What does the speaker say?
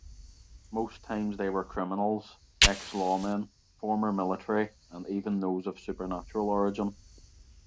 Most times they were criminals, ex-lawmen, former military and even those of supernatural origin.